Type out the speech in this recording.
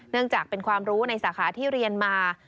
จากเป็นความรู้ในสาขาที่เรียนมา